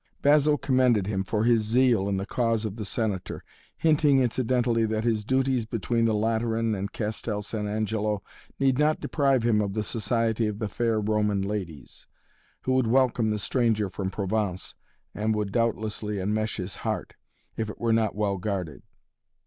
Basil commended him for his zeal in the cause of the Senator, hinting incidentally that his duties between the Lateran and Castel San Angelo need not deprive him of the society of the fair Roman ladies, who would welcome the stranger from Provence and would doubtlessly enmesh his heart, if it were not well guarded.